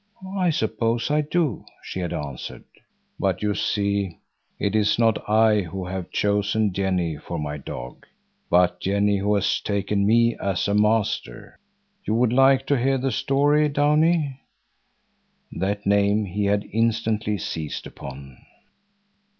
"I suppose I do," she had answered. "But, you see, it is not I who have chosen Jenny for my dog, but Jenny who has taken me as a master. You would like to hear the story, Downie?" That name he had instantly seized upon.